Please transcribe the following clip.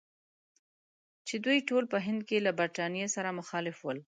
چې دوی ټول په هند کې له برټانیې سره مخالف ول.